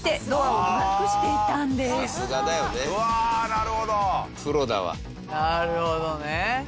なるほどね。